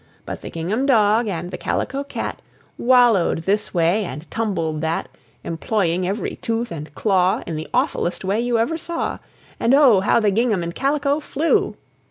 But the gingham dog and the calico cat Wallowed this way and tumbled that, Employing every tooth and claw In the awfullest way you ever saw And, oh! how the gingham and calico flew!